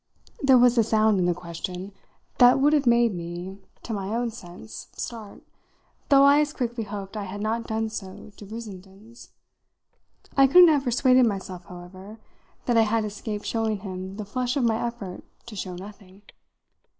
There was a sound in the question that would have made me, to my own sense, start, though I as quickly hoped I had not done so to Brissenden's. I couldn't have persuaded myself, however, that I had escaped showing him the flush of my effort to show nothing.